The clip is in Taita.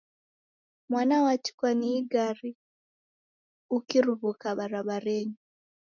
Mwana watikwa ni igari ukiruw'uka barabarenyi